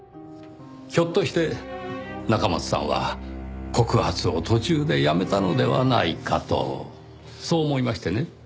ひょっとして中松さんは告発を途中でやめたのではないかとそう思いましてね。